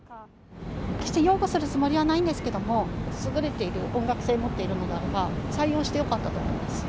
擁護するつもりはないんですけれども、優れている音楽性を持っているのであれば、採用してよかったと思います。